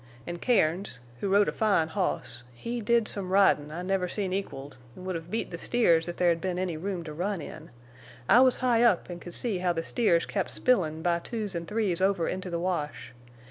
An' Cairns, who rode a fine hoss, he did some ridin'. I never seen equaled, en' would hev beat the steers if there'd been any room to run in. I was high up an' could see how the steers kept spillin' by twos an' threes over into the wash.